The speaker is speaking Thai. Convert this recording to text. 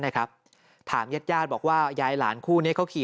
นะครับถามญาติญาติบอกว่ายายหลานคู่นี้เขาขี่